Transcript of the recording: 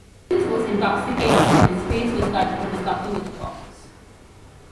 Mills was intoxicated and his face was cut from a scuffle with Foxe.